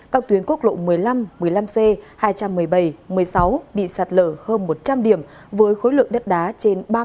các tuyến quốc lộ một mươi năm một mươi năm c hai trăm một mươi bảy một mươi sáu bị sạt lở hơn một trăm linh điểm với khối lượng đất đá trên ba mươi